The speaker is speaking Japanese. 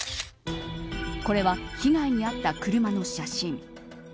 これは被害に遭った車の写真。